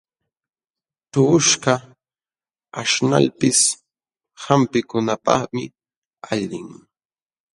Tuqushkaq aśhnalpis hampikunapaqmi allin.